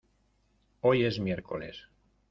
Hoy es miércoles.